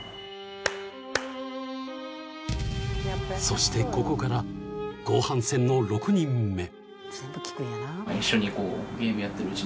［そしてここから後半戦の６人目］